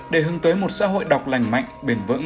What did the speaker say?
để hướng tới một xã hội đọc lành mạnh bền vững